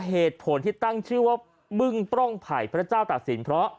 เหตุผลที่ตั้งชื่อว่าบึ้งปล้องไผ่พระเจ้าตัดสินเพราะ